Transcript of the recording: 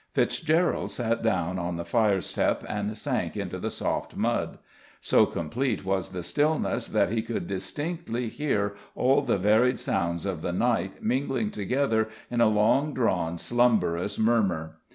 Fitzgerald sat down on the firestep and sank into the soft mud. So complete was the stillness that he could distinctly hear all the varied sounds of the night mingling together in a long drawn, slumberous murmur.